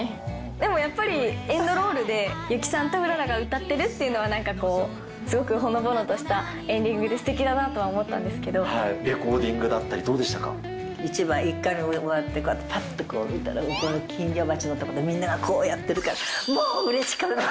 でもやっぱり、エンドロールで雪さんとうららが歌ってるっていうのは、なんかこう、すごくほのぼのとしたエンディングですてきだなと思ったんですけレコーディングだったり、一番、１回目終わって、はっとこう見たら、向こうの金魚鉢の所でみんながこうやってるから、もううれしかった。